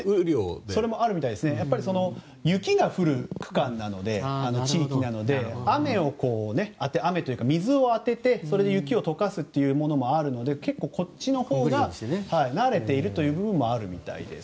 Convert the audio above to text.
それもあるみたいですが雪が降る地域なので水を当ててそれで雪を解かすのもあるので結構、東北のほうが慣れている部分があるみたいです。